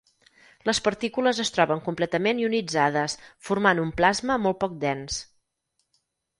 Les partícules es troben completament ionitzades formant un plasma molt poc dens.